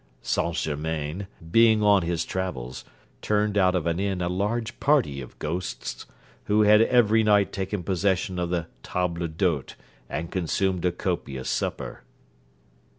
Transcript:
Saint Germain, being on his travels, turned out of an inn a large party of ghosts, who had every night taken possession of the table d'hôte, and consumed a copious supper.